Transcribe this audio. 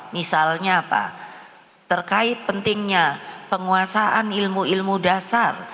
misalnya apa terkait pentingnya penguasaan ilmu ilmu dasar